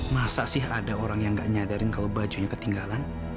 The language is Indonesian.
masa sih ada orang yang gak nyadarin kalau bajunya ketinggalan